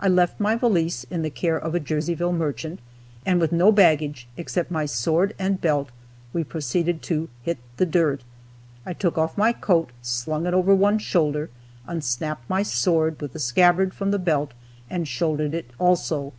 I left my valise in the care of a Jerseyville merchant, and with no baggage except my sword and belt, we proceeded to "hit the dirt." I took off my coat, slung it over one shoulder, unsnapped my sword, with the scabbard, from the belt, and shouldered it also.